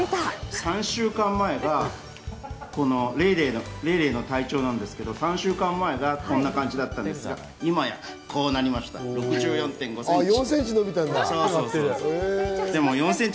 ３週間前がレイレイの体長なんですが、３週間前がこんな感じだったんですけれども、今やこうなりました、６４．５ｃｍ。